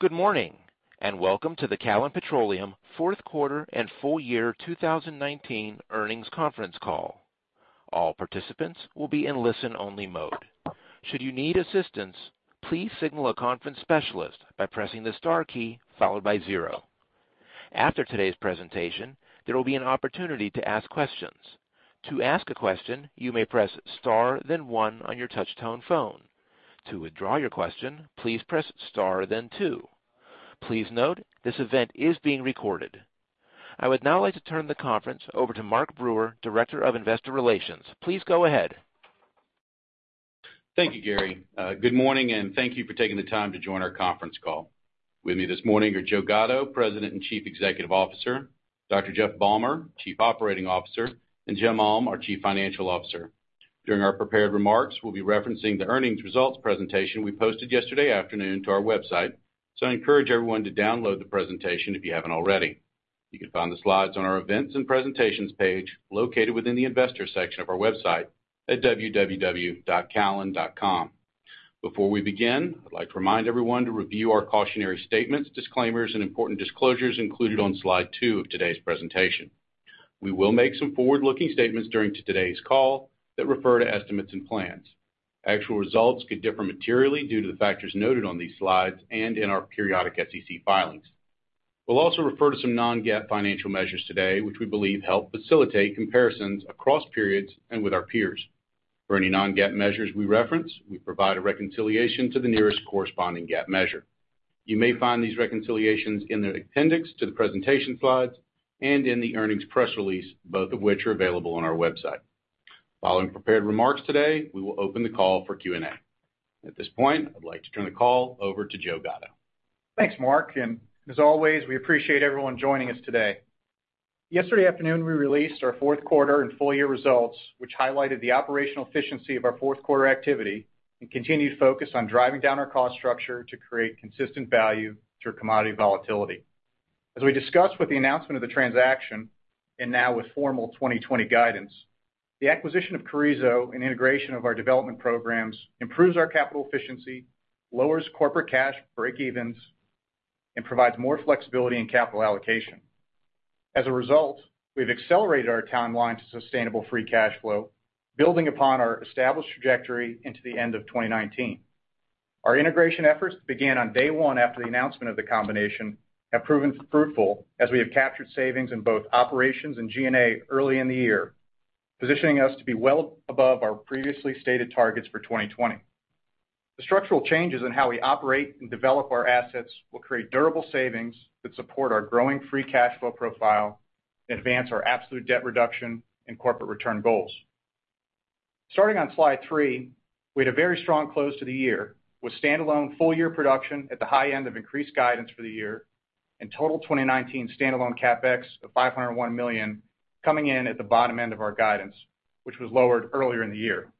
Good morning, welcome to the Callon Petroleum Fourth Quarter and Full Year 2019 Earnings Conference Call. All participants will be in listen-only mode. Should you need assistance, please signal a conference specialist by pressing the star key followed by zero. After today's presentation, there will be an opportunity to ask questions. To ask a question, you may press star then one on your touch-tone phone. To withdraw your question, please press star then two. Please note, this event is being recorded. I would now like to turn the conference over to Mark Brewer, Director of Investor Relations. Please go ahead. Thank you, Gary. Good morning, and thank you for taking the time to join our conference call. With me this morning are Joe Gatto, President and Chief Executive Officer, Jeff Balmer, Chief Operating Officer, and Jim Ulm, our Chief Financial Officer. During our prepared remarks, we'll be referencing the earnings results presentation we posted yesterday afternoon to our website, so I encourage everyone to download the presentation if you haven't already. You can find the slides on our Events and Presentations page, located within the Investors section of our website at www.callon.com. Before we begin, I'd like to remind everyone to review our cautionary statements, disclaimers, and important disclosures included on slide two of today's presentation. We will make some forward-looking statements during today's call that refer to estimates and plans. Actual results could differ materially due to the factors noted on these slides and in our periodic SEC filings. We'll also refer to some non-GAAP financial measures today, which we believe help facilitate comparisons across periods and with our peers. For any non-GAAP measures we reference, we provide a reconciliation to the nearest corresponding GAAP measure. You may find these reconciliations in the appendix to the presentation slides and in the earnings press release, both of which are available on our website. Following prepared remarks today, we will open the call for Q&A. At this point, I'd like to turn the call over to Joe Gatto. Thanks, Mark, and as always, we appreciate everyone joining us today. Yesterday afternoon, we released our fourth quarter and full-year results, which highlighted the operational efficiency of our fourth quarter activity and continued focus on driving down our cost structure to create consistent value through commodity volatility. As we discussed with the announcement of the transaction, and now with formal 2020 guidance, the acquisition of Carrizo and integration of our development programs improves our capital efficiency, lowers corporate cash breakevens, and provides more flexibility in capital allocation. As a result, we've accelerated our timeline to sustainable free cash flow, building upon our established trajectory into the end of 2019. Our integration efforts that began on day one after the announcement of the combination have proven fruitful as we have captured savings in both operations and G&A early in the year, positioning us to be well above our previously stated targets for 2020. The structural changes in how we operate and develop our assets will create durable savings that support our growing free cash flow profile and advance our absolute debt reduction and corporate return goals. Starting on slide three, we had a very strong close to the year, with standalone full-year production at the high end of increased guidance for the year and total 2019 standalone CapEx of $501 million coming in at the bottom end of our guidance, which was lowered earlier in the year.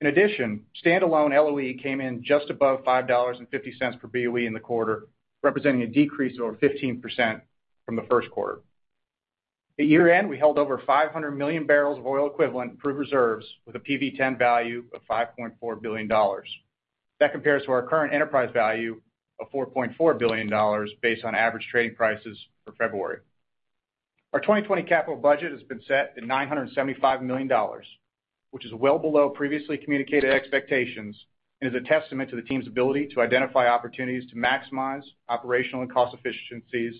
In addition, standalone LOE came in just above $5.50 per BOE in the quarter, representing a decrease of over 15% from the first quarter. At year-end, we held over 500 million barrels of oil equivalent in proved reserves with a PV-10 value of $5.4 billion. That compares to our current enterprise value of $4.4 billion based on average trading prices for February. Our 2020 capital budget has been set at $975 million, which is well below previously communicated expectations and is a testament to the team's ability to identify opportunities to maximize operational and cost efficiencies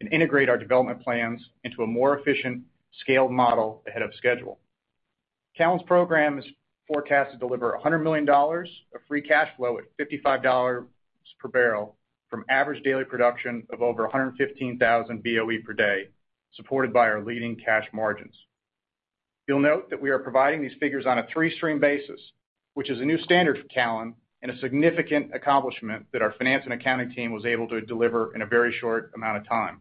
and integrate our development plans into a more efficient, scaled model ahead of schedule. Callon's program is forecast to deliver $100 million of free cash flow at $55 per barrel from average daily production of over 115,000 BOE per day, supported by our leading cash margins. You'll note that we are providing these figures on a Three Stream basis, which is a new standard for Callon and a significant accomplishment that our finance and accounting team was able to deliver in a very short amount of time.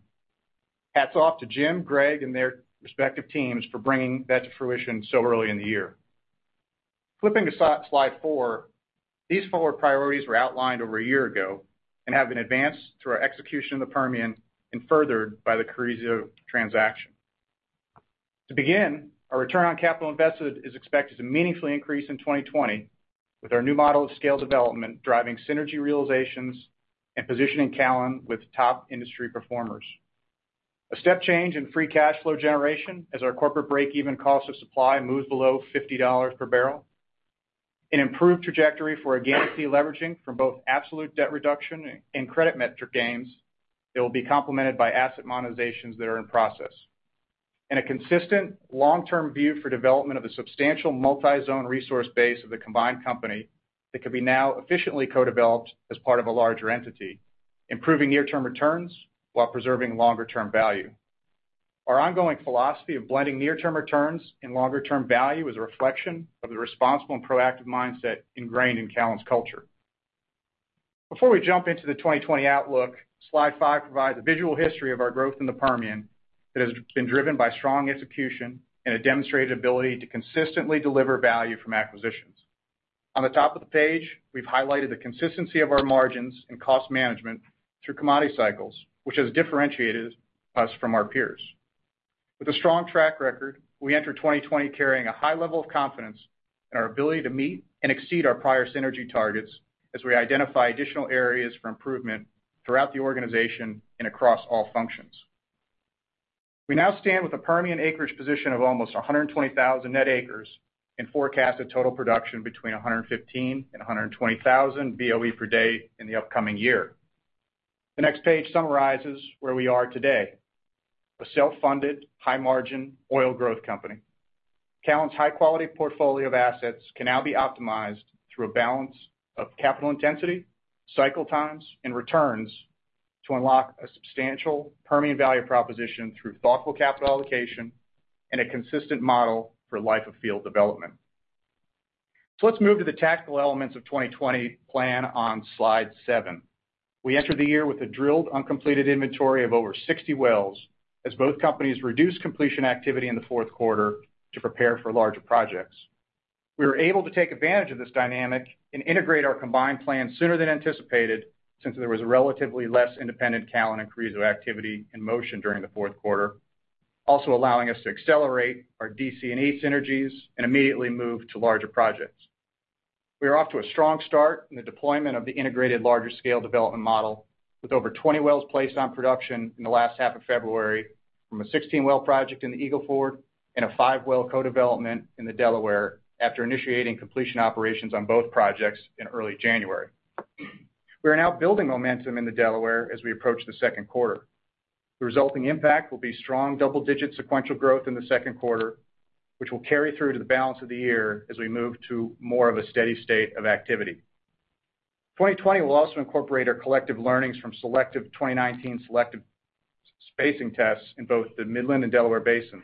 Hats off to Jim, Greg, and their respective teams for bringing that to fruition so early in the year. Flipping to slide four, these forward priorities were outlined over a year ago and have been advanced through our execution in the Permian and furthered by the Carrizo transaction. To begin, our return on capital invested is expected to meaningfully increase in 2020 with our new model of scaled development driving synergy realizations and positioning Callon with top industry performers. A step change in free cash flow generation as our corporate breakeven cost of supply moves below $50 per barrel. An improved trajectory for again de-leveraging from both absolute debt reduction and credit metric gains that will be complemented by asset monetizations that are in process. A consistent long-term view for development of the substantial multi-zone resource base of the combined company that can be now efficiently co-developed as part of a larger entity, improving near-term returns while preserving longer-term value. Our ongoing philosophy of blending near-term returns and longer-term value is a reflection of the responsible and proactive mindset ingrained in Callon's culture. Before we jump into the 2020 outlook, slide five provides a visual history of our growth in the Permian that has been driven by strong execution and a demonstrated ability to consistently deliver value from acquisitions. On the top of the page, we've highlighted the consistency of our margins and cost management through commodity cycles, which has differentiated us from our peers. With a strong track record, we enter 2020 carrying a high level of confidence in our ability to meet and exceed our prior synergy targets as we identify additional areas for improvement throughout the organization and across all functions. We now stand with a Permian acreage position of almost 120,000 net acres and forecast a total production between 115,000 and 120,000 BOE per day in the upcoming year. The next page summarizes where we are today. A self-funded, high-margin oil growth company. Callon's high-quality portfolio of assets can now be optimized through a balance of capital intensity, cycle times, and returns to unlock a substantial Permian value proposition through thoughtful capital allocation and a consistent model for life of field development. Let's move to the tactical elements of 2020 plan on slide seven. We enter the year with a drilled uncompleted inventory of over 60 wells, as both companies reduce completion activity in the fourth quarter to prepare for larger projects. We were able to take advantage of this dynamic and integrate our combined plan sooner than anticipated, since there was a relatively less independent Callon increase of activity in motion during the fourth quarter, also allowing us to accelerate our DC&E synergies and immediately move to larger projects. We are off to a strong start in the deployment of the integrated larger scale development model with over 20 wells placed on production in the last half of February from a 16-well project in the Eagle Ford and a five-well co-development in the Delaware after initiating completion operations on both projects in early January. We are now building momentum in the Delaware as we approach the second quarter. The resulting impact will be strong double-digit sequential growth in the second quarter, which will carry through to the balance of the year as we move to more of a steady state of activity. 2020 will also incorporate our collective learnings from 2019 selective spacing tests in both the Midland and Delaware basins,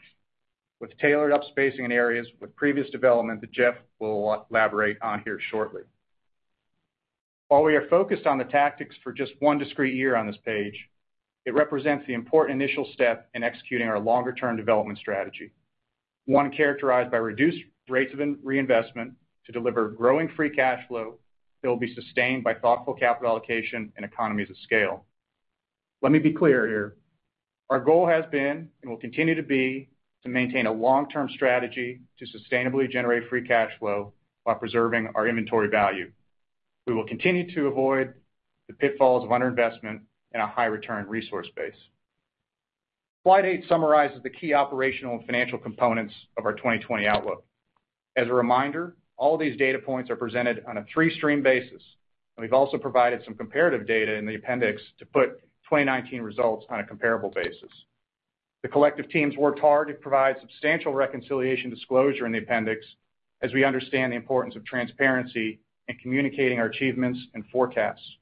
with tailored up spacing in areas with previous development that Jeff will elaborate on here shortly. While we are focused on the tactics for just one discrete year on this page, it represents the important initial step in executing our longer-term development strategy, one characterized by reduced rates of reinvestment to deliver growing free cash flow that will be sustained by thoughtful capital allocation and economies of scale. Let me be clear here. Our goal has been, and will continue to be, to maintain a long-term strategy to sustainably generate free cash flow while preserving our inventory value. We will continue to avoid the pitfalls of underinvestment in a high-return resource base. Slide eight summarizes the key operational and financial components of our 2020 outlook. As a reminder, all these data points are presented on a three-stream basis, and we've also provided some comparative data in the appendix to put 2019 results on a comparable basis. The collective teams worked hard to provide substantial reconciliation disclosure in the appendix, as we understand the importance of transparency in communicating our achievements and forecasts.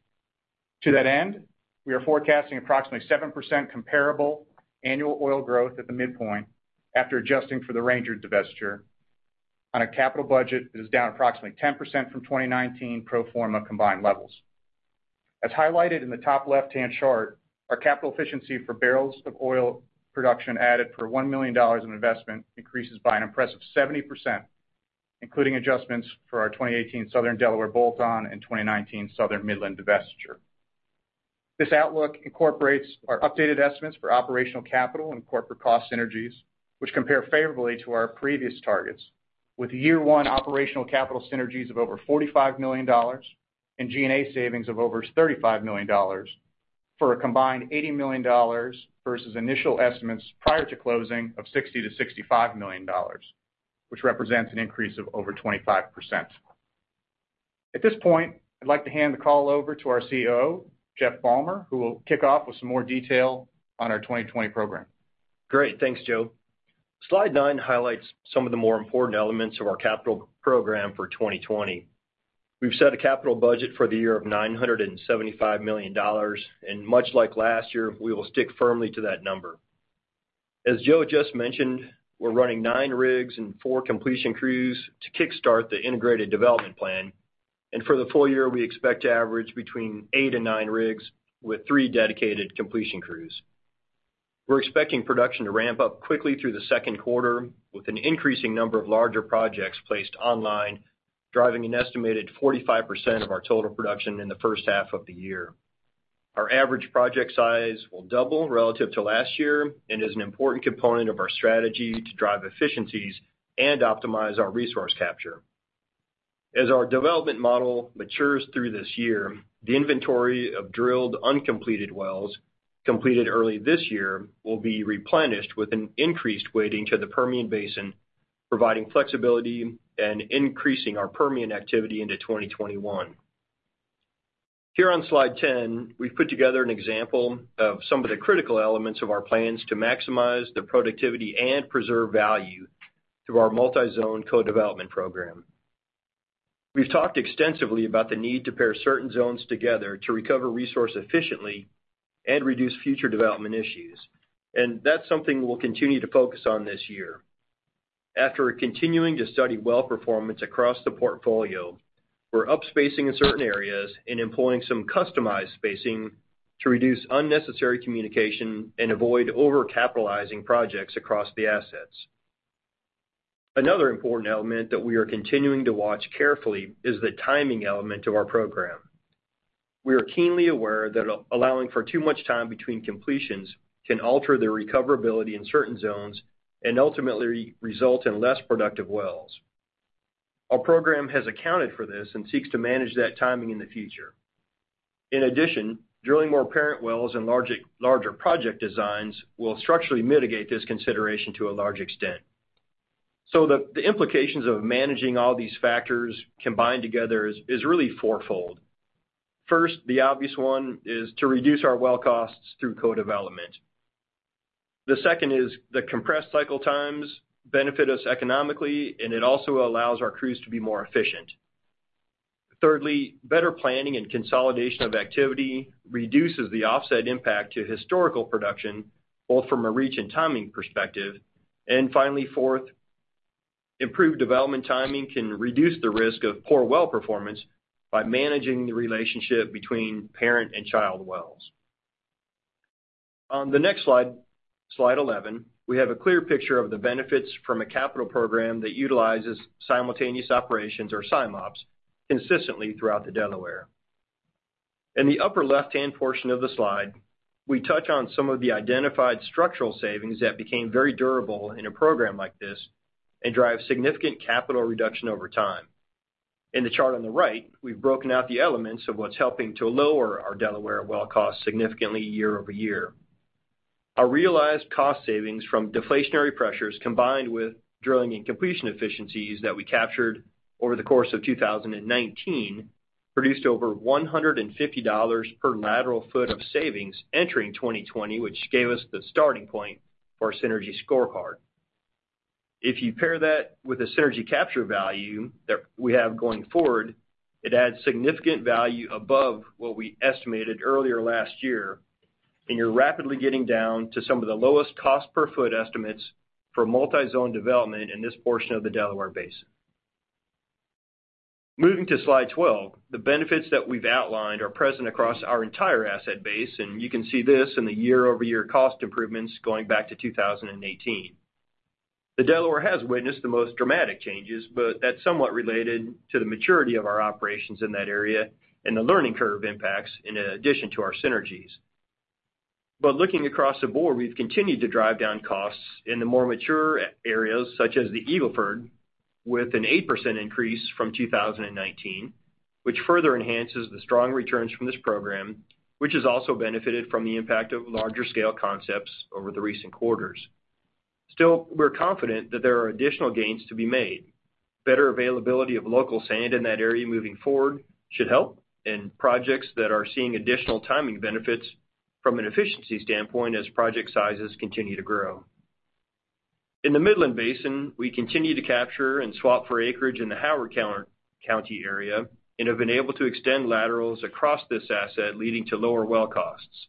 To that end, we are forecasting approximately 7% comparable annual oil growth at the midpoint after adjusting for the Ranger divestiture on a capital budget that is down approximately 10% from 2019 pro forma combined levels. As highlighted in the top left-hand chart, our capital efficiency for barrels of oil production added per $1 million in investment increases by an impressive 70%, including adjustments for our 2018 Southern Delaware bolt-on and 2019 Southern Midland divestiture. This outlook incorporates our updated estimates for operational capital and corporate cost synergies, which compare favorably to our previous targets with year one operational capital synergies of over $45 million and G&A savings of over $35 million for a combined $80 million versus initial estimates prior to closing of $60 million-$65 million, which represents an increase of over 25%. At this point, I'd like to hand the call over to our COO, Jeff Balmer, who will kick off with some more detail on our 2020 program. Great. Thanks, Joe. Slide nine highlights some of the more important elements of our capital program for 2020. We've set a capital budget for the year of $975 million, and much like last year, we will stick firmly to that number. As Joe just mentioned, we're running nine rigs and four completion crews to kickstart the integrated development plan. For the full year, we expect to average between eight and nine rigs with three dedicated completion crews. We're expecting production to ramp up quickly through the second quarter with an increasing number of larger projects placed online, driving an estimated 45% of our total production in the first half of the year. Our average project size will double relative to last year and is an important component of our strategy to drive efficiencies and optimize our resource capture. As our development model matures through this year, the inventory of drilled uncompleted wells completed early this year will be replenished with an increased weighting to the Permian Basin, providing flexibility and increasing our Permian activity into 2021. Here on slide 10, we've put together an example of some of the critical elements of our plans to maximize the productivity and preserve value through our multi-zone co-development program. We've talked extensively about the need to pair certain zones together to recover resource efficiently and reduce future development issues. That's something we'll continue to focus on this year. After continuing to study well performance across the portfolio, we're up spacing in certain areas and employing some customized spacing to reduce unnecessary communication and avoid over-capitalizing projects across the assets. Another important element that we are continuing to watch carefully is the timing element of our program. We are keenly aware that allowing for too much time between completions can alter the recoverability in certain zones and ultimately result in less productive wells. Our program has accounted for this and seeks to manage that timing in the future. In addition, drilling more parent wells and larger project designs will structurally mitigate this consideration to a large extent. The implications of managing all these factors combined together is really 4x. First, the obvious one is to reduce our well costs through co-development. The second is the compressed cycle times benefit us economically, and it also allows our crews to be more efficient. Thirdly, better planning and consolidation of activity reduces the offset impact to historical production, both from a reach and timing perspective. Finally, fourth, improved development timing can reduce the risk of poor well performance by managing the relationship between parent and child wells. On the next slide 11, we have a clear picture of the benefits from a capital program that utilizes simultaneous operations or SIMOPS consistently throughout the Delaware. In the upper left-hand portion of the slide, we touch on some of the identified structural savings that became very durable in a program like this and drive significant capital reduction over time. In the chart on the right, we've broken out the elements of what's helping to lower our Delaware well cost significantly year-over-year. Our realized cost savings from deflationary pressures, combined with drilling and completion efficiencies that we captured over the course of 2019, produced over $150 per lateral foot of savings entering 2020, which gave us the starting point for our synergy scorecard. If you pair that with the synergy capture value that we have going forward, it adds significant value above what we estimated earlier last year, and you're rapidly getting down to some of the lowest cost per foot estimates for multi-zone development in this portion of the Delaware Basin. Moving to slide 12, the benefits that we've outlined are present across our entire asset base, and you can see this in the year-over-year cost improvements going back to 2018. The Delaware has witnessed the most dramatic changes, but that's somewhat related to the maturity of our operations in that area and the learning curve impacts in addition to our synergies. Looking across the board, we've continued to drive down costs in the more mature areas, such as the Eagle Ford, with an 8% increase from 2019, which further enhances the strong returns from this program, which has also benefited from the impact of larger scale concepts over the recent quarters. Still, we're confident that there are additional gains to be made. Better availability of local sand in that area moving forward should help in projects that are seeing additional timing benefits from an efficiency standpoint as project sizes continue to grow. In the Midland Basin, we continue to capture and swap for acreage in the Howard County area and have been able to extend laterals across this asset, leading to lower well costs.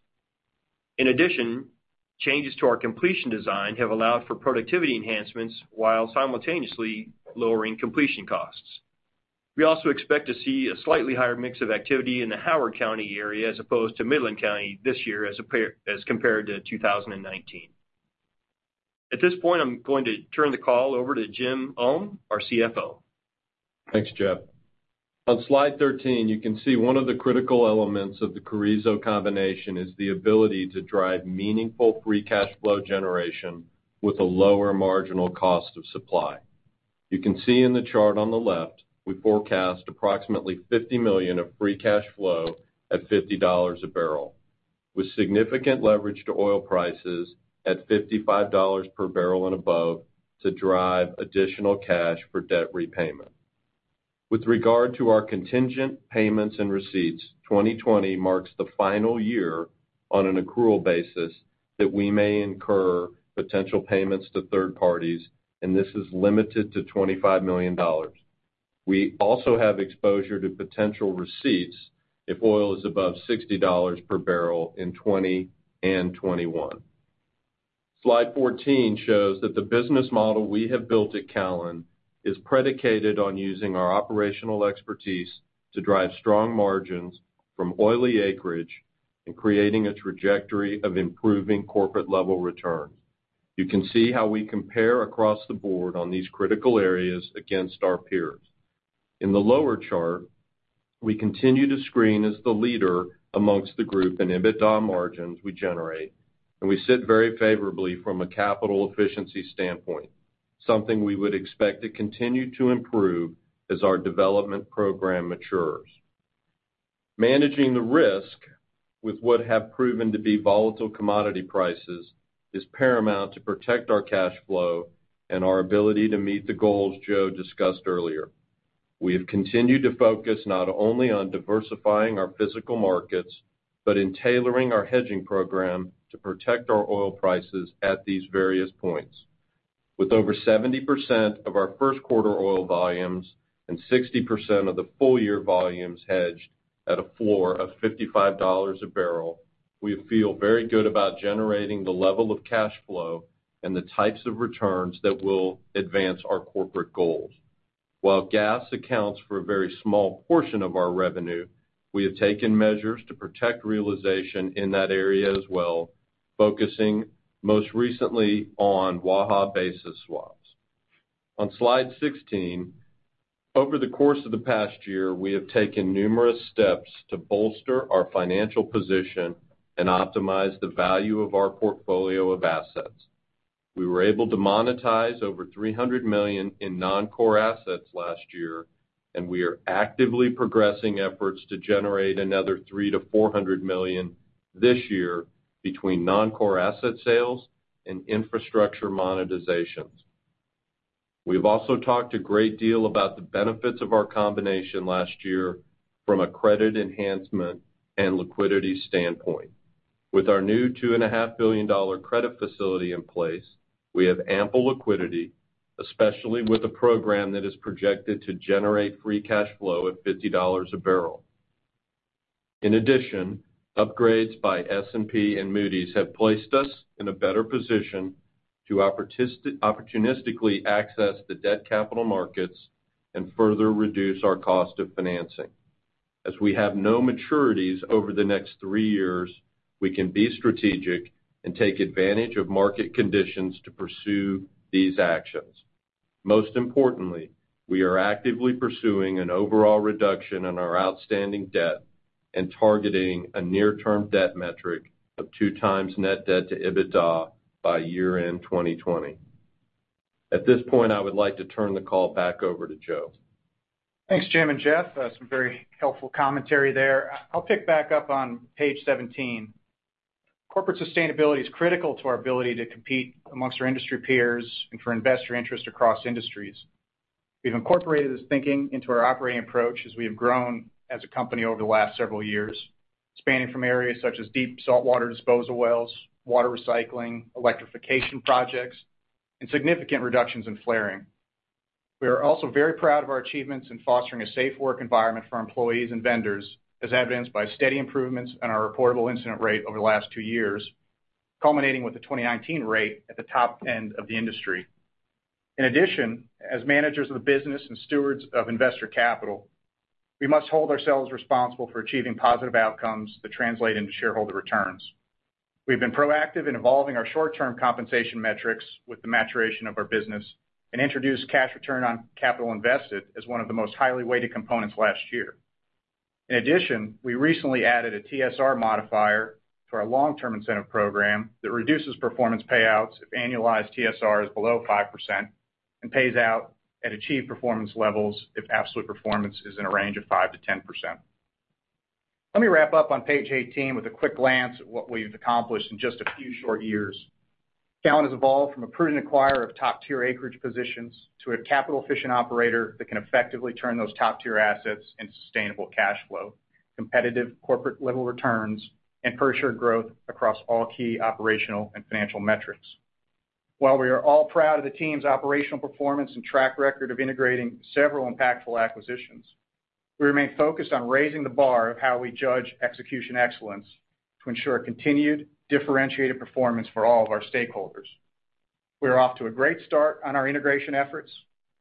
In addition, changes to our completion design have allowed for productivity enhancements while simultaneously lowering completion costs. We also expect to see a slightly higher mix of activity in the Howard County area as opposed to Midland County this year as compared to 2019. At this point, I'm going to turn the call over to Jim Ulm, our CFO. Thanks, Joe. On slide 13, you can see one of the critical elements of the Carrizo combination is the ability to drive meaningful free cash flow generation with a lower marginal cost of supply. You can see in the chart on the left, we forecast approximately $50 million of free cash flow at $50 a barrel, with significant leverage to oil prices at $55 per barrel and above to drive additional cash for debt repayment. With regard to our contingent payments and receipts, 2020 marks the final year on an accrual basis that we may incur potential payments to third parties, and this is limited to $25 million. We also have exposure to potential receipts if oil is above $60 per barrel in 2020 and 2021. Slide 14 shows that the business model we have built at Callon is predicated on using our operational expertise to drive strong margins from oily acreage and creating a trajectory of improving corporate-level returns. You can see how we compare across the board on these critical areas against our peers. In the lower chart, we continue to screen as the leader amongst the group in EBITDA margins we generate, and we sit very favorably from a capital efficiency standpoint, something we would expect to continue to improve as our development program matures. Managing the risk with what have proven to be volatile commodity prices is paramount to protect our cash flow and our ability to meet the goals Joe discussed earlier. We have continued to focus not only on diversifying our physical markets, but in tailoring our hedging program to protect our oil prices at these various points. With over 70% of our first quarter oil volumes and 60% of the full year volumes hedged at a floor of $55 a barrel, we feel very good about generating the level of cash flow and the types of returns that will advance our corporate goals. While gas accounts for a very small portion of our revenue, we have taken measures to protect realization in that area as well, focusing most recently on Waha basis swaps. On slide 16, over the course of the past year, we have taken numerous steps to bolster our financial position and optimize the value of our portfolio of assets. We were able to monetize over $300 million in non-core assets last year, and we are actively progressing efforts to generate another $300 million-$400 million this year between non-core asset sales and infrastructure monetizations. We've also talked a great deal about the benefits of our combination last year from a credit enhancement and liquidity standpoint. With our new $2.5 billion credit facility in place, we have ample liquidity, especially with a program that is projected to generate free cash flow at $50 a barrel. In addition, upgrades by S&P and Moody's have placed us in a better position to opportunistically access the debt capital markets and further reduce our cost of financing. We have no maturities over the next three years, we can be strategic and take advantage of market conditions to pursue these actions. Most importantly, we are actively pursuing an overall reduction in our outstanding debt and targeting a near-term debt metric of two times net debt to EBITDA by year-end 2020. At this point, I would like to turn the call back over to Joe. Thanks, Jim and Jeff. Some very helpful commentary there. I'll pick back up on page 17. Corporate sustainability is critical to our ability to compete amongst our industry peers and for investor interest across industries. We've incorporated this thinking into our operating approach as we have grown as a company over the last several years, spanning from areas such as deep saltwater disposal wells, water recycling, electrification projects, and significant reductions in flaring. We are also very proud of our achievements in fostering a safe work environment for our employees and vendors, as evidenced by steady improvements in our reportable incident rate over the last two years, culminating with the 2019 rate at the top end of the industry. In addition, as managers of the business and stewards of investor capital, we must hold ourselves responsible for achieving positive outcomes that translate into shareholder returns. We've been proactive in evolving our short-term compensation metrics with the maturation of our business and introduced cash return on capital invested as one of the most highly weighted components last year. In addition, we recently added a TSR modifier to our long-term incentive program that reduces performance payouts if annualized TSR is below 5% and pays out at achieved performance levels if absolute performance is in a range of 5%-10%. Let me wrap up on page 18 with a quick glance at what we've accomplished in just a few short years. Callon has evolved from a prudent acquirer of top-tier acreage positions to a capital-efficient operator that can effectively turn those top-tier assets into sustainable cash flow, competitive corporate-level returns, and per-share growth across all key operational and financial metrics. While we are all proud of the team's operational performance and track record of integrating several impactful acquisitions, we remain focused on raising the bar of how we judge execution excellence to ensure continued differentiated performance for all of our stakeholders. We are off to a great start on our integration efforts,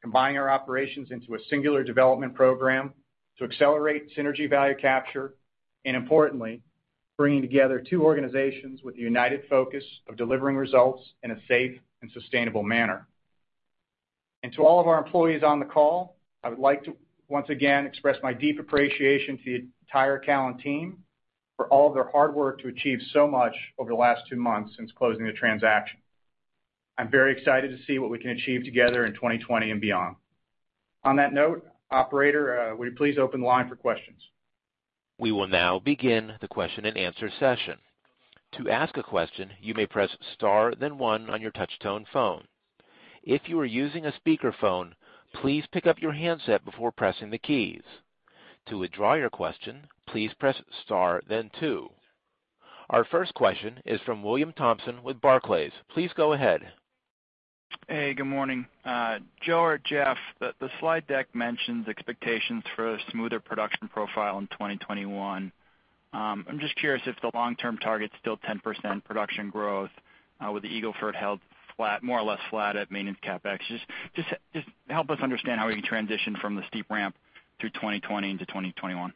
combining our operations into a singular development program to accelerate synergy value capture, and importantly, bringing together two organizations with a united focus of delivering results in a safe and sustainable manner. To all of our employees on the call, I would like to once again express my deep appreciation to the entire Callon team for all of their hard work to achieve so much over the last two months since closing the transaction. I'm very excited to see what we can achieve together in 2020 and beyond. On that note, operator, will you please open the line for questions? We will now begin the question-and-answer session. To ask a question, you may press star then one on your touch-tone phone. If you are using a speakerphone, please pick up your handset before pressing the keys. To withdraw your question, please press star then two. Our first question is from William Thompson with Barclays. Please go ahead. Good morning. Joe or Jeff, the slide deck mentions expectations for a smoother production profile in 2021. I'm just curious if the long-term target's still 10% production growth with the Eagle Ford held more or less flat at maintenance CapEx. Just help us understand how we transition from the steep ramp through 2020 into 2021.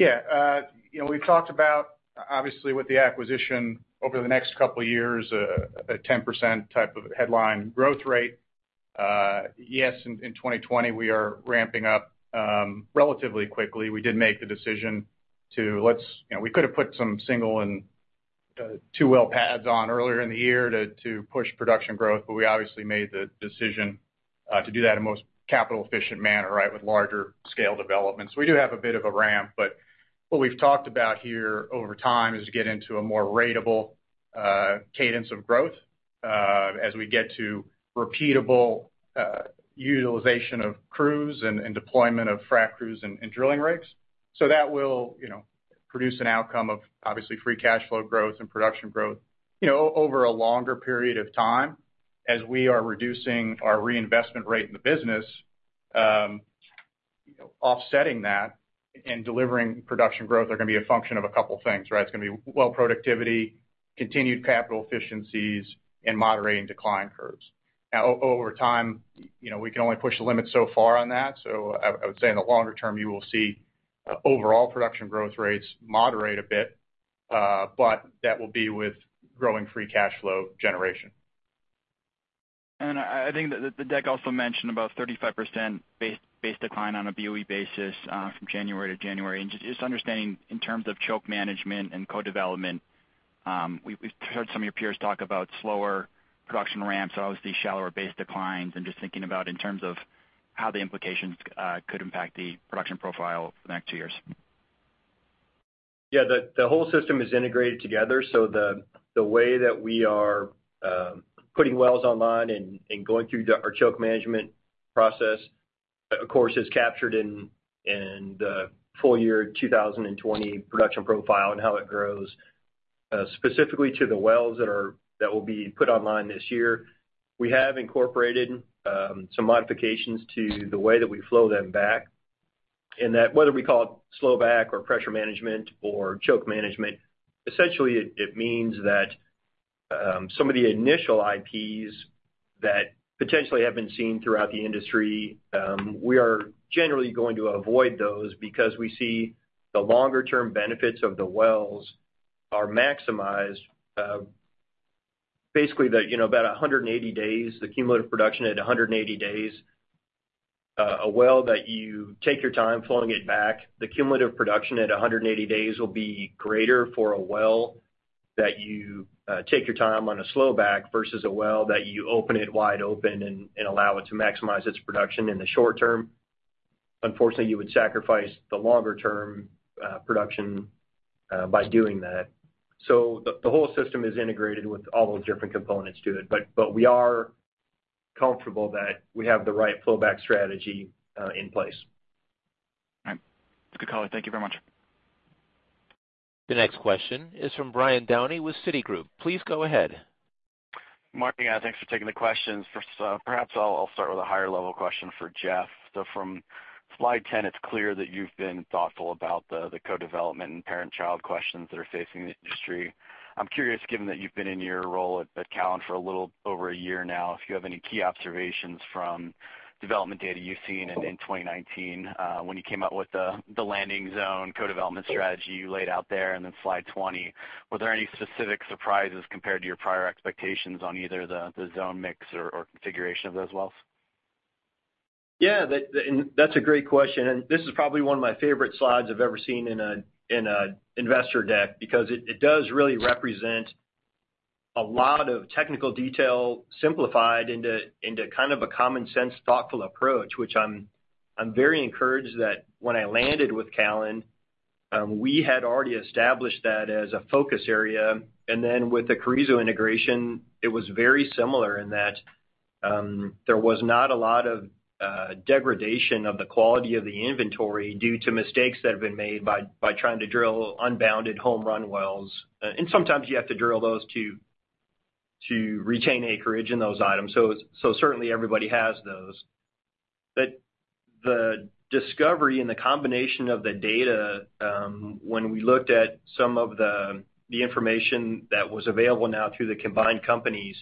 Yeah. We've talked about, obviously, with the acquisition over the next couple of years, a 10% type of headline growth rate. In 2020, we are ramping up relatively quickly. We could have put some single and two well pads on earlier in the year to push production growth, but we obviously made the decision to do that in the most capital-efficient manner, with larger scale developments. We do have a bit of a ramp, but what we've talked about here over time is to get into a more ratable cadence of growth as we get to repeatable utilization of crews and deployment of frac crews and drilling rigs. That will produce an outcome of, obviously, free cash flow growth and production growth over a longer period of time as we are reducing our reinvestment rate in the business. Offsetting that and delivering production growth are going to be a function of a couple things, right? It's going to be well productivity, continued capital efficiencies, and moderating decline curves. Now, over time, we can only push the limits so far on that. I would say in the longer term, you will see overall production growth rates moderate a bit, but that will be with growing free cash flow generation. I think that the deck also mentioned about 35% base decline on a BOE basis from January to January. Just understanding in terms of choke management and co-development, we've heard some of your peers talk about slower production ramps, obviously shallower base declines, and just thinking about in terms of how the implications could impact the production profile for the next two years. Yeah. The whole system is integrated together, so the way that we are putting wells online and going through our choke management process, of course, is captured in the full year 2020 production profile and how it grows. Specifically to the wells that will be put online this year, we have incorporated some modifications to the way that we flow them back, and that whether we call it slow back or pressure management or choke management, essentially it means that some of the initial IPs that potentially have been seen throughout the industry, we are generally going to avoid those because we see the longer-term benefits of the wells are maximized. Basically, about 180 days, the cumulative production at 180 days, a well that you take your time flowing it back, the cumulative production at 180 days will be greater for a well that you take your time on a slow back versus a well that you open it wide open and allow it to maximize its production in the short term. Unfortunately, you would sacrifice the longer-term production by doing that. The whole system is integrated with all those different components to it, but we are comfortable that we have the right flow back strategy in place. All right. It's a good call. Thank you very much. The next question is from Brian Downey with Citigroup. Please go ahead. Mark, yeah, thanks for taking the questions. First, perhaps I'll start with a higher level question for Jeff. From slide 10, it's clear that you've been thoughtful about the co-development and parent-child questions that are facing the industry. I'm curious, given that you've been in your role at Callon for a little over a year now, if you have any key observations from development data you've seen in 2019 when you came out with the landing zone co-development strategy you laid out there and then slide 20. Were there any specific surprises compared to your prior expectations on either the zone mix or configuration of those wells? Yeah. That's a great question, and this is probably one of my favorite slides I've ever seen in an investor deck because it does really represent a lot of technical detail simplified into kind of a common sense, thoughtful approach. Which I'm very encouraged that when I landed with Callon, we had already established that as a focus area. Then with the Carrizo integration, it was very similar in that there was not a lot of degradation of the quality of the inventory due to mistakes that have been made by trying to drill unbounded home run wells. Sometimes you have to drill those to retain acreage in those items. Certainly everybody has those. The discovery and the combination of the data, when we looked at some of the information that was available now through the combined companies,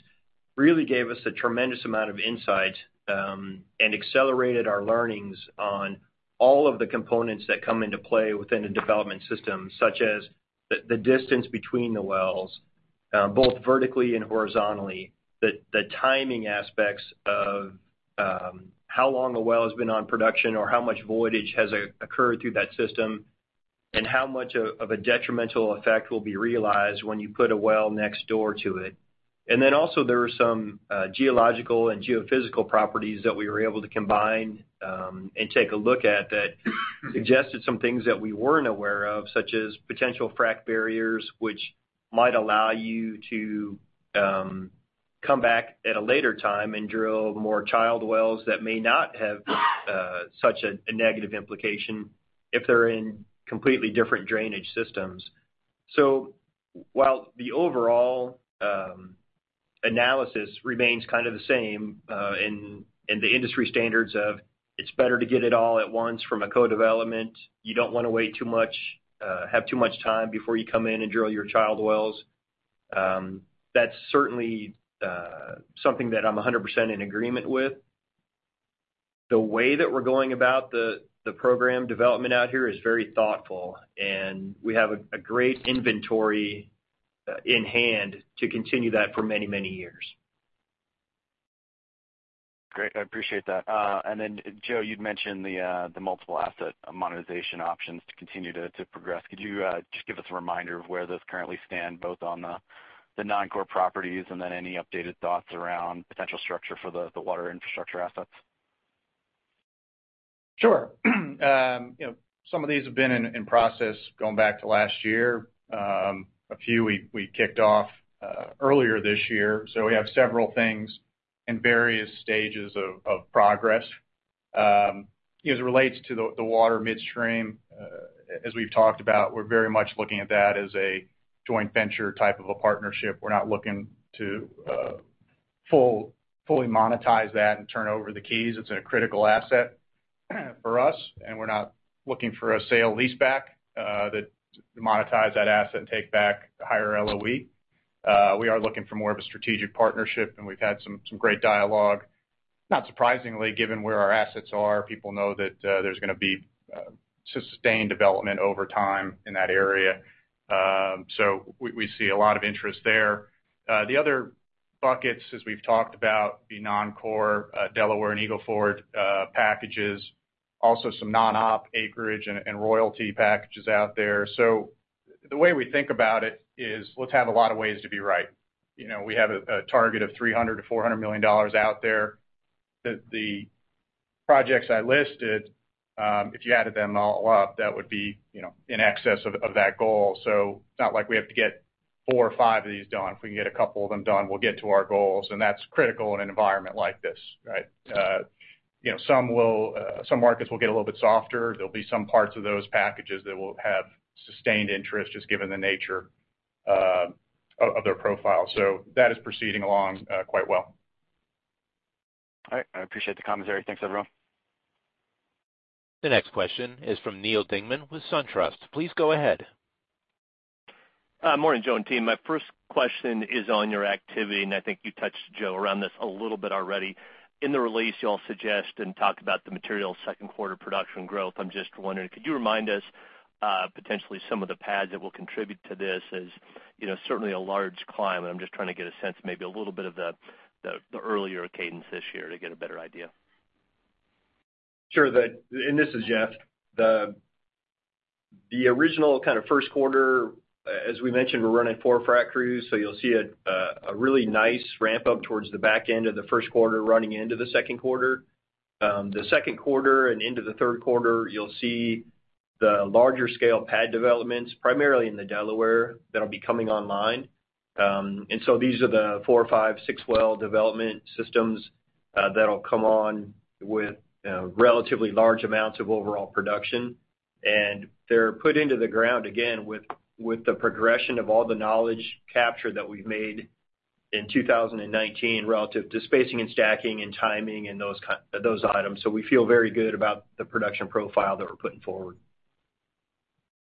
really gave us a tremendous amount of insight, and accelerated our learnings on all of the components that come into play within a development system, such as the distance between the wells, both vertically and horizontally. The timing aspects of how long a well has been on production or how much voidage has occurred through that system, and how much of a detrimental effect will be realized when you put a well next door to it. Then also there are some geological and geophysical properties that we were able to combine and take a look at that suggested some things that we weren't aware of, such as potential frack barriers, which might allow you to come back at a later time and drill more child wells that may not have such a negative implication if they're in completely different drainage systems. While the overall analysis remains kind of the same in the industry standards of it's better to get it all at once from a co-development, you don't want to wait too much, have too much time before you come in and drill your child wells. That's certainly something that I'm 100% in agreement with. The way that we're going about the program development out here is very thoughtful, and we have a great inventory in hand to continue that for many, many years. Great. I appreciate that. Joe, you'd mentioned the multiple asset monetization options to continue to progress. Could you just give us a reminder of where those currently stand, both on the non-core properties and then any updated thoughts around potential structure for the water infrastructure assets? Sure. Some of these have been in process going back to last year. A few we kicked off earlier this year. We have several things in various stages of progress. As it relates to the water midstream, as we've talked about, we're very much looking at that as a joint venture type of a partnership. We're not looking to fully monetize that and turn over the keys. It's a critical asset for us, and we're not looking for a sale leaseback that monetize that asset and take back the higher LOE. We are looking for more of a strategic partnership, and we've had some great dialogue. Not surprisingly, given where our assets are, people know that there's going to be sustained development over time in that area. We see a lot of interest there. The other buckets, as we've talked about, the non-core Delaware and Eagle Ford packages, also some non-op acreage and royalty packages out there. The way we think about it is, let's have a lot of ways to be right. We have a target of $300 million-$400 million out there. The projects I listed, if you added them all up, that would be in excess of that goal. It's not like we have to get four or five of these done. If we can get a couple of them done, we'll get to our goals, and that's critical in an environment like this, right? Some markets will get a little bit softer. There'll be some parts of those packages that will have sustained interest, just given the nature of their profile. That is proceeding along quite well. All right. I appreciate the commentary. Thanks, everyone. The next question is from Neal Dingmann with SunTrust. Please go ahead. Morning, Joe and team. My first question is on your activity, and I think you touched, Joe, around this a little bit already. In the release, you all suggest and talked about the material second quarter production growth. I'm just wondering, could you remind us potentially some of the pads that will contribute to this as certainly a large climb? I'm just trying to get a sense, maybe a little bit of the earlier cadence this year to get a better idea. Sure. This is Jeff. The original kind of first quarter, as we mentioned, we're running four frac crews, so you'll see a really nice ramp up towards the back end of the first quarter, running into the second quarter. The second quarter and into the third quarter, you'll see the larger scale pad developments, primarily in the Delaware, that'll be coming online. These are the four, five, six-well development systems that'll come on with relatively large amounts of overall production. They're put into the ground, again, with the progression of all the knowledge captured that we've made in 2019 relative to spacing and stacking and timing and those items. We feel very good about the production profile that we're putting forward.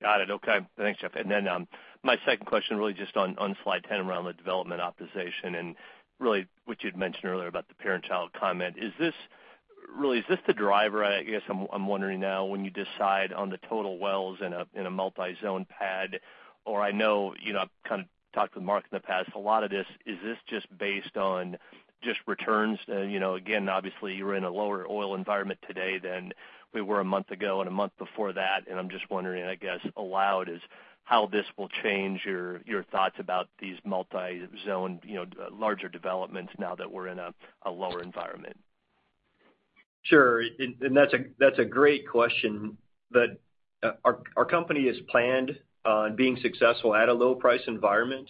Got it. Okay. Thanks, Jeff. My second question, really just on slide 10 around the development optimization, and really what you'd mentioned earlier about the parent-child comment. Is this the driver, I guess, I'm wondering now when you decide on the total wells in a multi-zone pad, or I know I've kind of talked with Mark in the past a lot of this. Is this just based on just returns? Obviously, you're in a lower oil environment today than we were a month ago and a month before that, and I'm just wondering, I guess, aloud, is how this will change your thoughts about these multi-zone larger developments now that we're in a lower environment. Sure. That's a great question. Our company has planned on being successful at a low-price environment,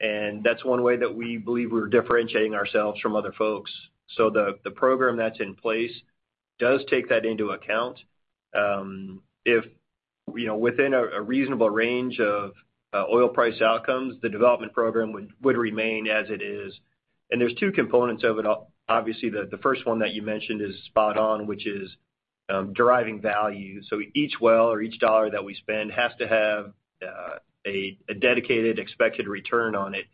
and that's one way that we believe we're differentiating ourselves from other folks. The program that's in place does take that into account. Within a reasonable range of oil price outcomes, the development program would remain as it is. There's two components of it. Obviously, the first one that you mentioned is spot on, which is deriving value. Each well or each dollar that we spend has to have a dedicated expected return on it.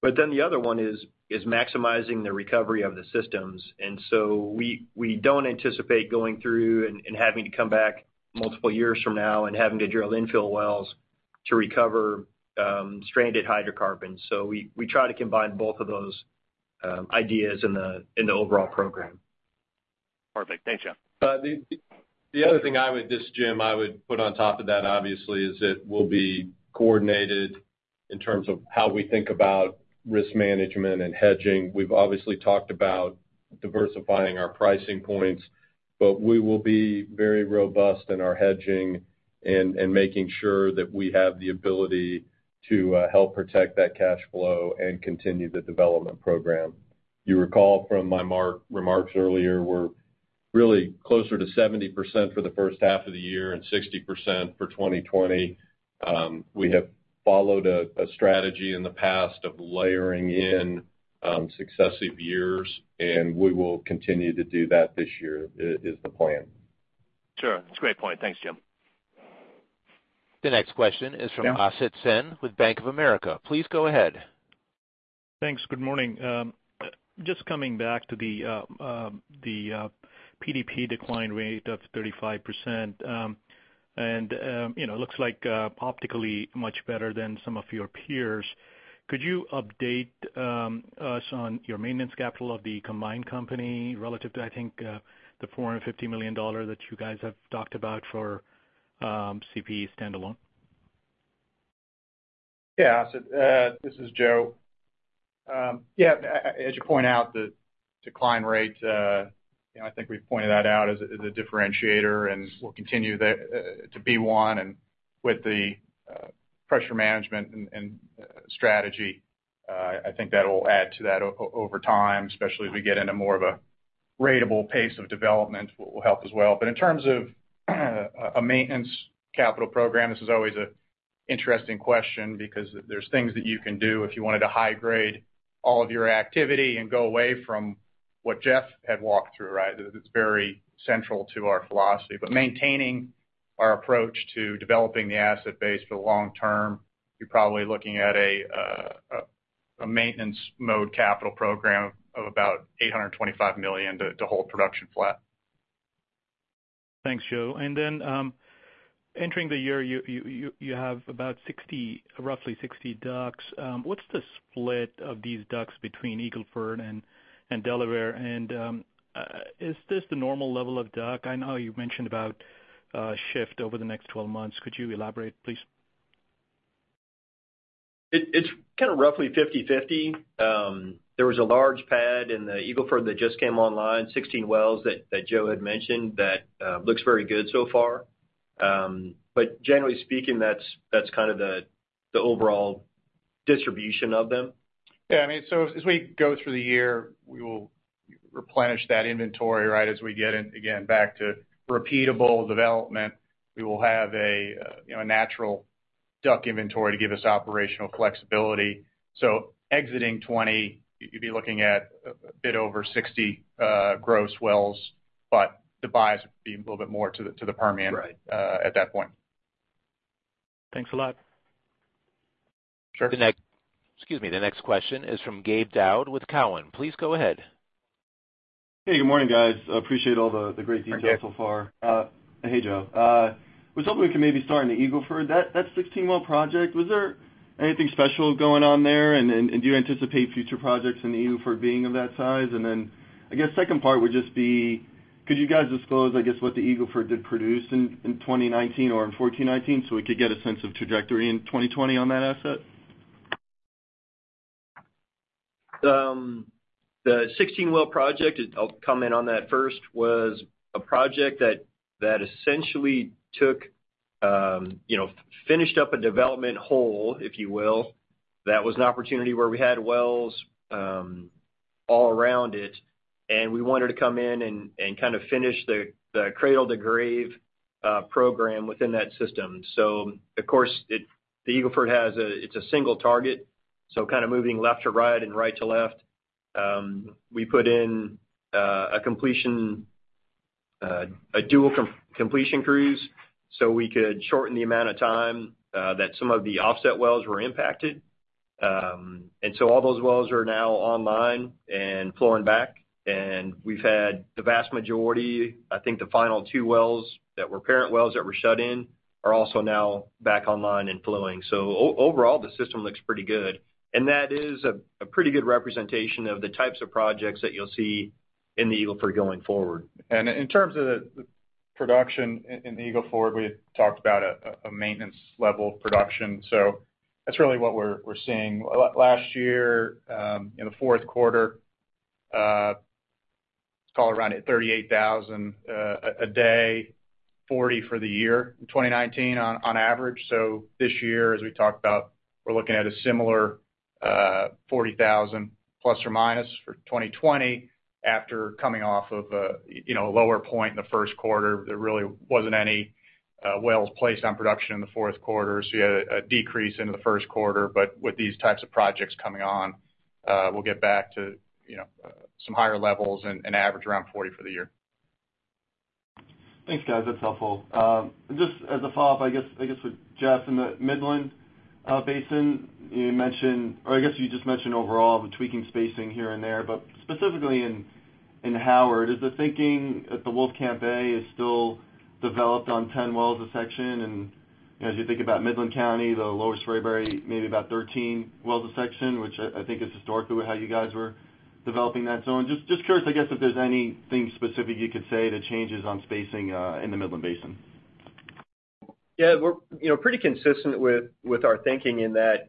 The other one is maximizing the recovery of the systems. We don't anticipate going through and having to come back multiple years from now and having to drill infill wells to recover stranded hydrocarbons. We try to combine both of those ideas in the overall program. Perfect. Thanks, Jeff. The other thing this is Jim, I would put on top of that, obviously, is it will be coordinated in terms of how we think about risk management and hedging. We've obviously talked about diversifying our pricing points, but we will be very robust in our hedging and making sure that we have the ability to help protect that cash flow and continue the development program. You recall from my remarks earlier, we're really closer to 70% for the first half of the year and 60% for 2020. We have followed a strategy in the past of layering in successive years, and we will continue to do that this year, is the plan. Sure. It's a great point. Thanks, Jim. The next question is from. Yeah Asit Sen with Bank of America. Please go ahead. Thanks. Good morning. Just coming back to the PDP decline rate of 35%. It looks like optically much better than some of your peers. Could you update us on your maintenance capital of the combined company relative to, I think, the $450 million that you guys have talked about for CPE standalone? Yeah. This is Joe. Yeah. As you point out, the decline rate, I think we've pointed that out as a differentiator and will continue to be one. With the pressure management and strategy, I think that'll add to that over time, especially as we get into more of a ratable pace of development will help as well. In terms of a maintenance capital program, this is always a Interesting question, because there's things that you can do if you wanted to high grade all of your activity and go away from what Jeff had walked through. It's very central to our philosophy. Maintaining our approach to developing the asset base for the long term, you're probably looking at a maintenance mode capital program of about $825 million to hold production flat. Thanks, Joe. Entering the year, you have about roughly 60 DUCs. What's the split of these DUCs between Eagle Ford and Delaware? Is this the normal level of DUC? I know you mentioned about a shift over the next 12 months. Could you elaborate, please? It's roughly 50/50. There was a large pad in the Eagle Ford that just came online, 16 wells that Joe had mentioned, that looks very good so far. Generally speaking, that's the overall distribution of them. Yeah, as we go through the year, we will replenish that inventory. As we get, again, back to repeatable development, we will have a natural DUC inventory to give us operational flexibility. Exiting 2020, you'd be looking at a bit over 60 gross wells, but the bias would be a little bit more to the Permian. Right at that point. Thanks a lot. Sure. The next question is from Gabe Daoud with Cowen. Please go ahead. Hey, good morning, guys. Appreciate all the great details so far. Hi, Gabe. Hey, Joe. Was hoping we could maybe start on the Eagle Ford. That 16-well project, was there anything special going on there? Do you anticipate future projects in the Eagle Ford being of that size? I guess second part would just be, could you guys disclose, I guess, what the Eagle Ford did produce in 2019 or in 1419 so we could get a sense of trajectory in 2020 on that asset? The 16-well project, I'll comment on that first, was a project that essentially finished up a development hole, if you will. That was an opportunity where we had wells all around it, and we wanted to come in and finish the cradle-to-grave program within that system. Of course, the Eagle Ford, it's a single target, so moving left to right and right to left. We put in a dual completion crew so we could shorten the amount of time that some of the offset wells were impacted. All those wells are now online and flowing back, and we've had the vast majority. I think the final two wells that were parent wells that were shut in are also now back online and flowing. Overall, the system looks pretty good, and that is a pretty good representation of the types of projects that you'll see in the Eagle Ford going forward. In terms of the production in the Eagle Ford, we had talked about a maintenance level of production. That's really what we're seeing. Last year, in the fourth quarter, call it around 38,000 a day, 40 for the year in 2019 on average. This year, as we talked about, we're looking at a similar 40,000 ± for 2020 after coming off of a lower point in the first quarter. There really wasn't any wells placed on production in the fourth quarter, so you had a decrease into the first quarter. With these types of projects coming on, we'll get back to some higher levels and average around 40 for the year. Thanks, guys. That's helpful. Just as a follow-up, I guess with Jeff, in the Midland Basin, you just mentioned overall the tweaking spacing here and there. Specifically in Howard, is the thinking that the Wolfcamp A is still developed on 10 wells a section? As you think about Midland County, the Lower Spraberry, maybe about 13 wells a section, which I think is historically how you guys were developing that zone. Just curious, I guess, if there's anything specific you could say to changes on spacing in the Midland Basin. Yeah. We're pretty consistent with our thinking in that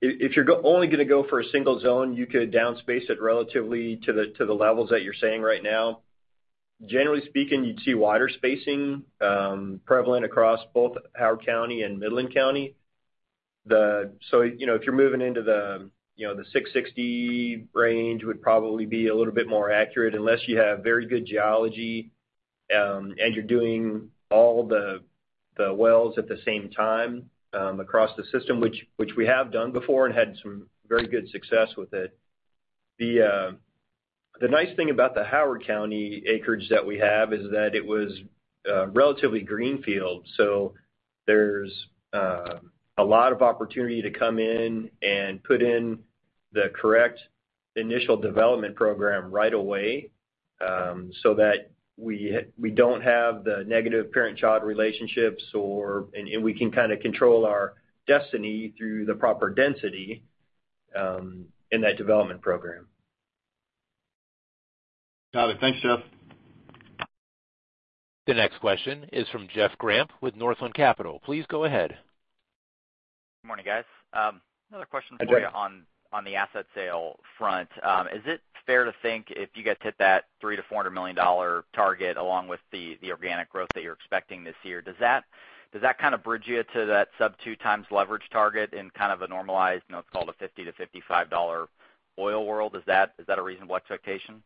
if you're only going to go for a single zone, you could down space it relatively to the levels that you're saying right now. Generally speaking, you'd see wider spacing prevalent across both Howard County and Midland County. If you're moving into the 660 range, would probably be a little bit more accurate. Unless you have very good geology, and you're doing all the wells at the same time across the system, which we have done before and had some very good success with it. The nice thing about the Howard County acreage that we have is that it was relatively greenfield. There's a lot of opportunity to come in and put in the correct initial development program right away, so that we don't have the negative parent-child relationships, and we can control our destiny through the proper density in that development program. Got it. Thanks, Jeff. The next question is from Jeff Grampp with Northland Capital. Please go ahead. Good morning, guys. Hi, Jeff. for you on the asset sale front. Is it fair to think if you guys hit that $300 million-$400 million target, along with the organic growth that you're expecting this year, does that kind of bridge you to that sub two times leverage target in kind of a normalized, what's called a $50-$55 oil world? Is that a reasonable expectation?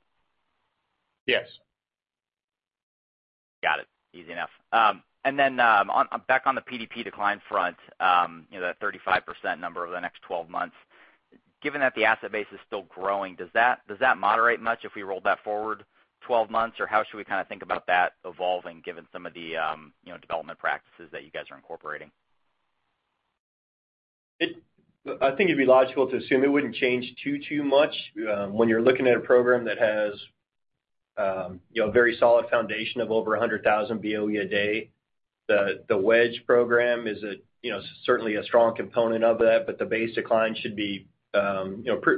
Yes. Got it. Easy enough. Back on the PDP decline front, that 35% number over the next 12 months. Given that the asset base is still growing, does that moderate much if we roll that forward 12 months? How should we think about that evolving given some of the development practices that you guys are incorporating? I think it'd be logical to assume it wouldn't change too much. When you're looking at a program that has a very solid foundation of over 100,000 BOE a day. The wedge program is certainly a strong component of that, but the base decline should be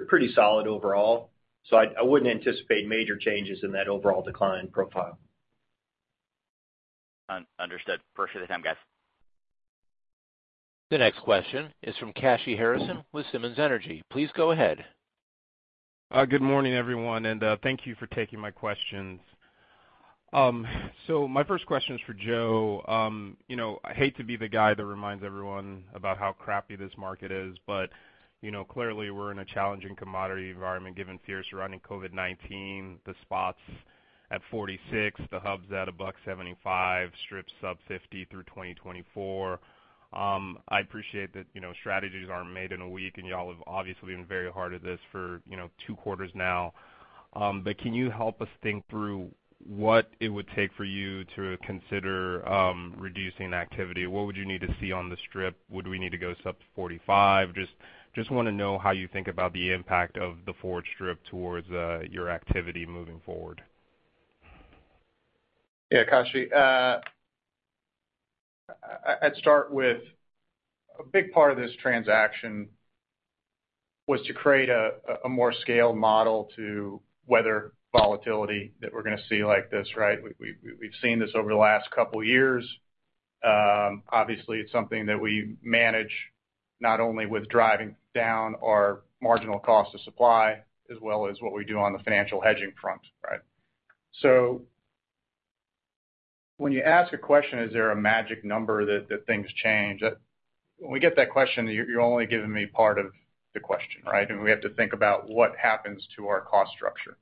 pretty solid overall. I wouldn't anticipate major changes in that overall decline profile. Understood. Appreciate the time, guys. The next question is from Kashy Harrison with Simmons Energy. Please go ahead. Good morning, everyone, thank you for taking my questions. My first question is for Joe. I hate to be the guy that reminds everyone about how crappy this market is, but clearly, we're in a challenging commodity environment given fears surrounding COVID-19, the spot's at $46, the hub's at $1.75, strip's sub $50 through 2024. I appreciate that strategies aren't made in a week, and y'all have obviously been very hard at this for two quarters now. Can you help us think through what it would take for you to consider reducing activity? What would you need to see on the strip? Would we need to go sub 45? I just want to know how you think about the impact of the forward strip towards your activity moving forward. Yeah, Kashy. I'd start with, a big part of this transaction was to create a more scaled model to weather volatility that we're going to see like this, right? We've seen this over the last couple of years. Obviously, it's something that we manage not only with driving down our marginal cost of supply as well as what we do on the financial hedging front, right? When you ask a question, is there a magic number that things change? When we get that question, you're only giving me part of the question, right? We have to think about what happens to our cost structure.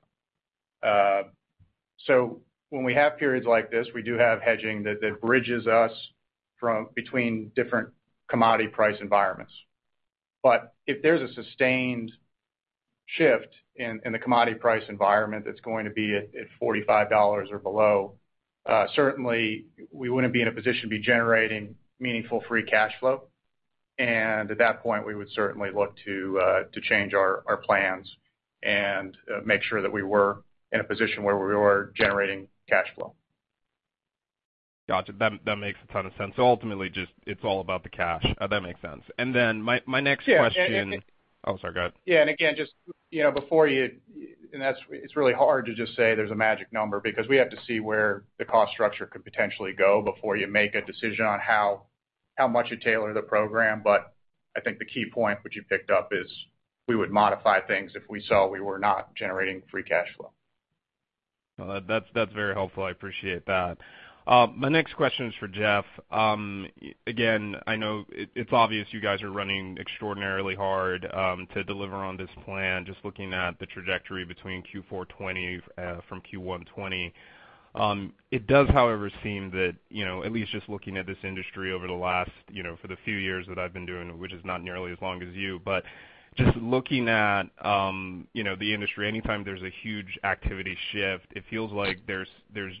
When we have periods like this, we do have hedging that bridges us between different commodity price environments. If there's a sustained shift in the commodity price environment that's going to be at $45 or below, certainly we wouldn't be in a position to be generating meaningful free cash flow. At that point, we would certainly look to change our plans and make sure that we were in a position where we were generating cash flow. Gotcha. That makes a ton of sense. Ultimately, it's all about the cash. That makes sense. Yeah. Oh, sorry, go ahead. Yeah, again, it's really hard to just say there's a magic number because we have to see where the cost structure could potentially go before you make a decision on how much you tailor the program. I think the key point which you picked up is we would modify things if we saw we were not generating free cash flow. That's very helpful. I appreciate that. My next question is for Jeff. I know it's obvious you guys are running extraordinarily hard to deliver on this plan, just looking at the trajectory between Q4 2020 from Q1 2020. It does, however, seem that, at least just looking at this industry over the last few years that I've been doing, which is not nearly as long as you, but just looking at the industry, anytime there's a huge activity shift, it feels like there's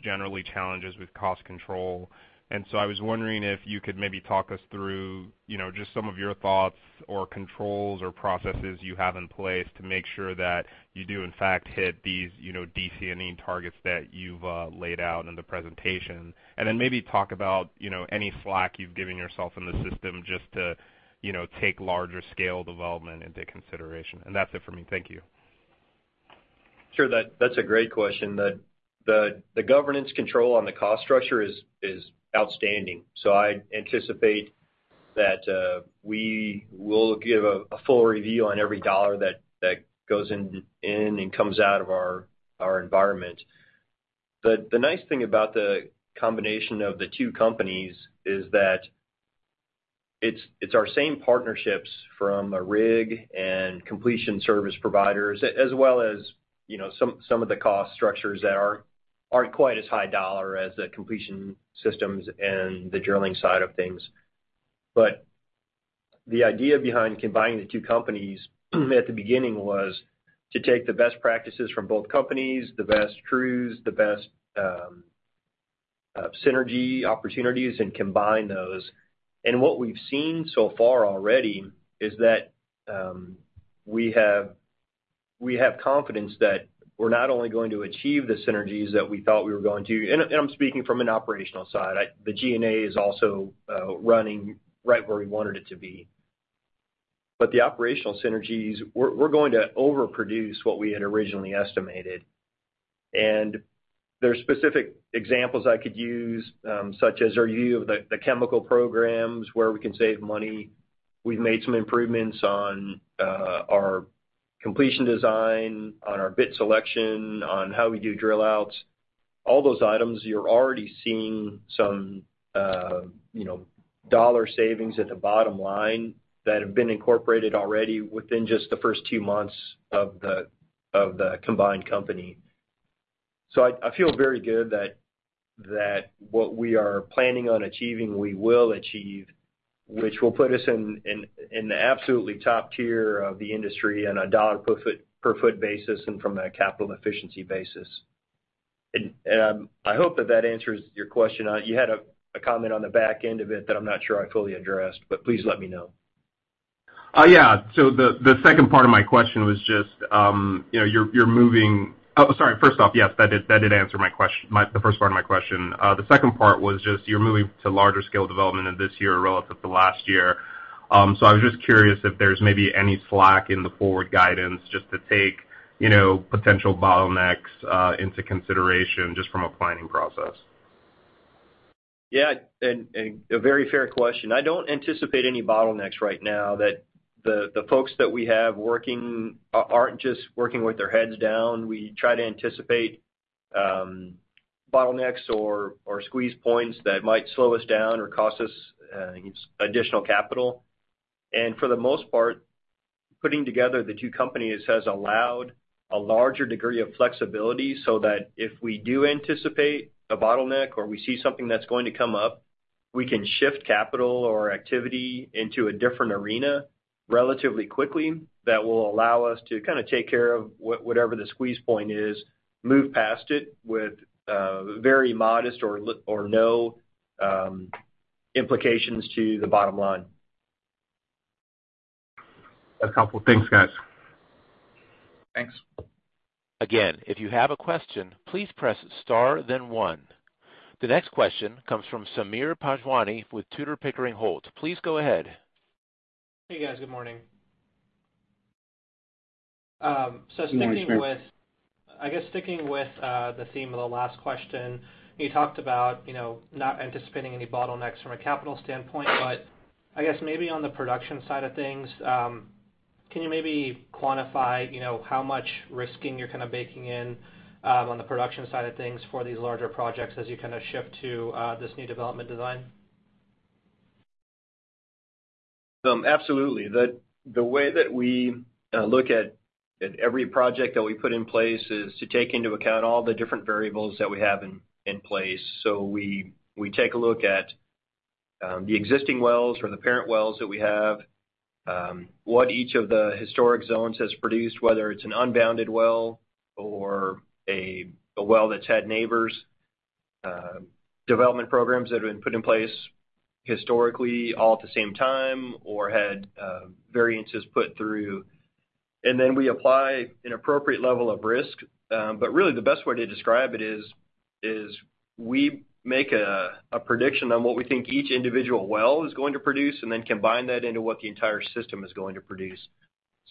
generally challenges with cost control. I was wondering if you could maybe talk us through just some of your thoughts or controls or processes you have in place to make sure that you do in fact hit these DC&E targets that you've laid out in the presentation. Then maybe talk about any slack you've given yourself in the system just to take larger scale development into consideration. That's it for me. Thank you. Sure. That's a great question. The governance control on the cost structure is outstanding. I anticipate that we will give a full review on every dollar that goes in and comes out of our environment. The nice thing about the combination of the two companies is that it's our same partnerships from a rig and completion service providers, as well as some of the cost structures that aren't quite as high dollar as the completion systems and the drilling side of things. The idea behind combining the two companies at the beginning was to take the best practices from both companies, the best crews, the best synergy opportunities, and combine those. What we've seen so far already is that we have confidence that we're not only going to achieve the synergies that we thought we were going to. I'm speaking from an operational side. The G&A is also running right where we wanted it to be. The operational synergies, we're going to overproduce what we had originally estimated. There's specific examples I could use, such as our view of the chemical programs where we can save money. We've made some improvements on our completion design, on our bit selection, on how we do drill outs. All those items, you're already seeing some dollar savings at the bottom line that have been incorporated already within just the first two months of the combined company. I feel very good that what we are planning on achieving, we will achieve, which will put us in the absolutely top tier of the industry on a dollar per foot basis and from a capital efficiency basis. I hope that that answers your question. You had a comment on the back end of it that I'm not sure I fully addressed, but please let me know. Yeah. The second part of my question was just, you're moving Oh, sorry. First off, yes, that did answer the first part of my question. The second part was just, you're moving to larger scale development in this year relative to last year. I was just curious if there's maybe any slack in the forward guidance just to take potential bottlenecks into consideration just from a planning process. Yeah, a very fair question. I don't anticipate any bottlenecks right now that the folks that we have working aren't just working with their heads down. We try to anticipate bottlenecks or squeeze points that might slow us down or cost us additional capital. For the most part, putting together the two companies has allowed a larger degree of flexibility so that if we do anticipate a bottleneck or we see something that's going to come up, we can shift capital or activity into a different arena relatively quickly that will allow us to take care of whatever the squeeze point is, move past it with very modest or no implications to the bottom line. That's helpful. Thanks, guys. Thanks. Again, if you have a question, please press star then one. The next question comes from Sameer Panjwani with Tudor, Pickering Holt. Please go ahead. Hey, guys. Good morning. Good morning, sir. I guess sticking with the theme of the last question, you talked about not anticipating any bottlenecks from a capital standpoint, but I guess maybe on the production side of things, can you maybe quantify how much risking you're baking in on the production side of things for these larger projects as you shift to this new development design? Absolutely. The way that we look at every project that we put in place is to take into account all the different variables that we have in place. We take a look at the existing wells or the parent wells that we have, what each of the historic zones has produced, whether it's an unbounded well or a well that's had neighbors, development programs that have been put in place historically all at the same time, or had variances put through. We apply an appropriate level of risk. Really the best way to describe it is we make a prediction on what we think each individual well is going to produce and then combine that into what the entire system is going to produce.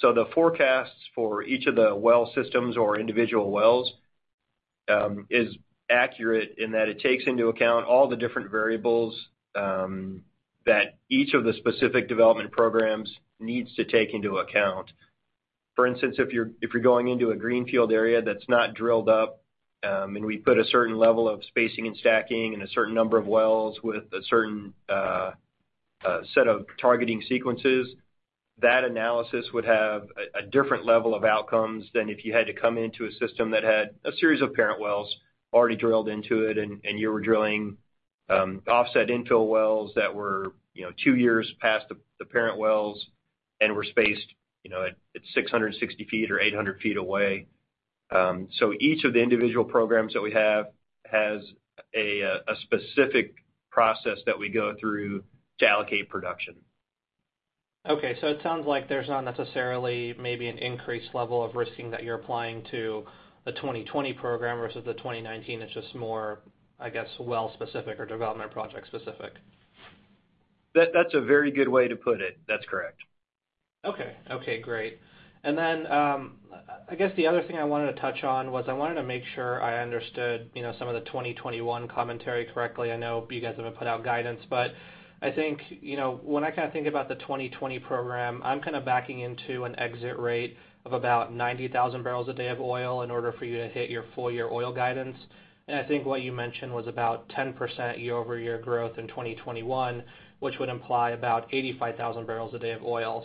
The forecasts for each of the well systems or individual wells is accurate in that it takes into account all the different variables that each of the specific development programs needs to take into account. For instance, if you're going into a greenfield area that's not drilled up, and we put a certain level of spacing and stacking and a certain number of wells with a certain set of targeting sequences, that analysis would have a different level of outcomes than if you had to come into a system that had a series of parent wells already drilled into it, and you were drilling offset infill wells that were two years past the parent wells and were spaced at 660 feet or 800 feet away. Each of the individual programs that we have has a specific process that we go through to allocate production. Okay, it sounds like there's not necessarily maybe an increased level of risking that you're applying to the 2020 program versus the 2019. It's just more, I guess, well-specific or development project specific. That's a very good way to put it. That's correct. Okay. Okay, great. I guess the other thing I wanted to touch on was I wanted to make sure I understood some of the 2021 commentary correctly. I know you guys haven't put out guidance, but I think, when I think about the 2020 program, I'm backing into an exit rate of about 90,000 barrels a day of oil in order for you to hit your full year oil guidance. I think what you mentioned was about 10% year-over-year growth in 2021, which would imply about 85,000 barrels a day of oil.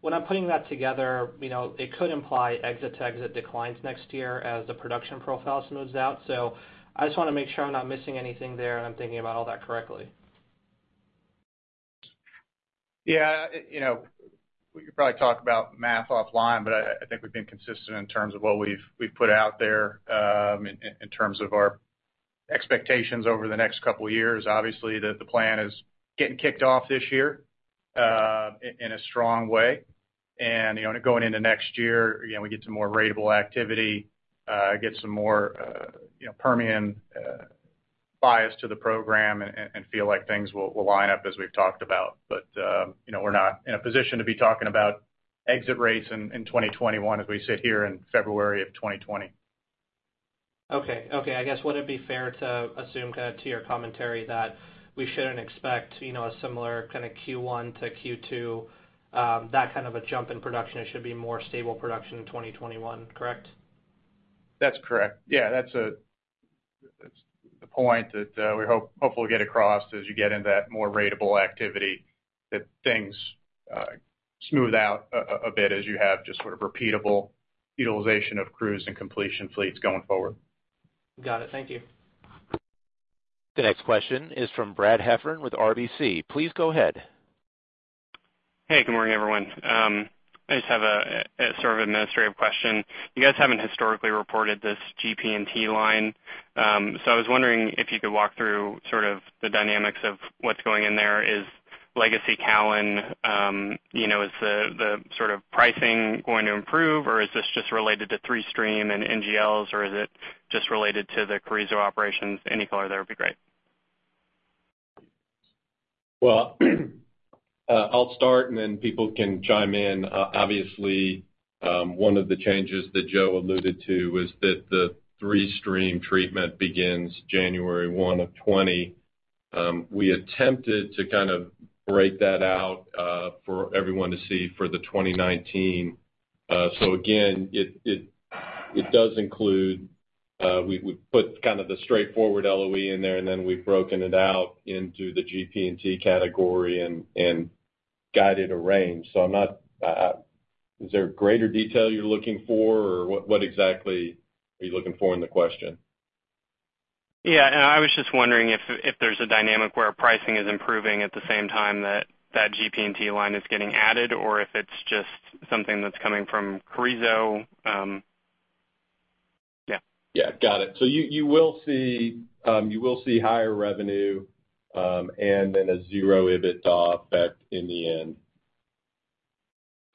When I'm putting that together, it could imply exit-to-exit declines next year as the production profile smooths out. I just want to make sure I'm not missing anything there, and I'm thinking about all that correctly. We could probably talk about math offline, but I think we've been consistent in terms of what we've put out there, in terms of our expectations over the next couple of years. Obviously, the plan is getting kicked off this year in a strong way. Going into next year, again, we get some more ratable activity, get some more Permian bias to the program, and feel like things will line up as we've talked about. We're not in a position to be talking about exit rates in 2021 as we sit here in February of 2020. Okay. Okay. I guess, would it be fair to assume to your commentary that we shouldn't expect a similar Q1 to Q2, that kind of a jump in production? It should be more stable production in 2021, correct? That's correct. Yeah, that's the point that we hope we'll get across as you get into that more ratable activity, that things smooth out a bit as you have just repeatable utilization of crews and completion fleets going forward. Got it. Thank you. The next question is from Brad Heffern with RBC. Please go ahead. Hey, good morning, everyone. I just have a sort of administrative question. You guys haven't historically reported this GP&T line. I was wondering if you could walk through the dynamics of what's going in there. Is legacy Callon, is the pricing going to improve, or is this just related to Three Stream and NGLs, or is it just related to the Carrizo operations? Any color there would be great. Well, I'll start and then people can chime in. Obviously, one of the changes that Joe alluded to was that the Three Stream treatment begins January 1 of 2020. We attempted to kind of break that out for everyone to see for the 2019. Again, it does include We put kind of the straightforward LOE in there, and then we've broken it out into the GP&T category and guided a range. Is there greater detail you're looking for, or what exactly are you looking for in the question? Yeah, I was just wondering if there's a dynamic where pricing is improving at the same time that that GP&T line is getting added, or if it's just something that's coming from Carrizo. Yeah. Yeah. Got it. You will see higher revenue, and then a zero EBITDA effect in the end.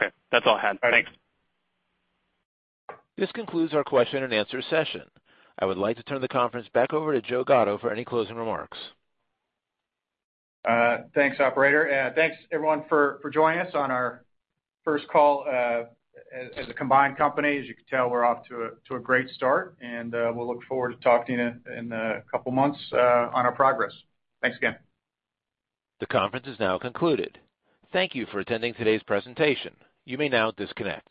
Okay. That's all I had. Thanks. This concludes our question-and-answer session. I would like to turn the conference back over to Joe Gatto for any closing remarks. Thanks, operator. Thanks, everyone, for joining us on our first call as a combined company. As you can tell, we're off to a great start. We'll look forward to talking in a couple of months on our progress. Thanks again. The conference is now concluded. Thank you for attending today's presentation. You may now disconnect.